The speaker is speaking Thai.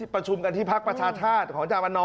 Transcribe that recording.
ประชุมกันที่ภาคประชาชาติของจาวอันน้อ